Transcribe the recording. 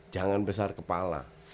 jangan besar kepala